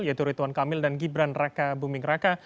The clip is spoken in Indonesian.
yaitu rituan kamil dan gibran raka buming raka